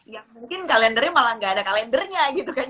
ya mungkin kalendernya malah gak ada kalendernya gitu kan